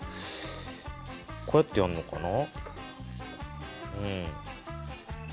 こうやってやんのかな。